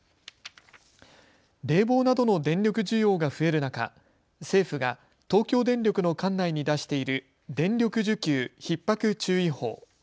冷房などの電力需要が増える中、政府が東京電力の管内に出している電力需給ひっ迫注意報。